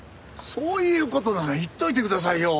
そういう事なら言っておいてくださいよ。